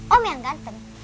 om yang ganteng